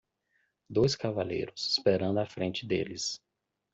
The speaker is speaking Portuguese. dois cavaleiros esperando à frente deles.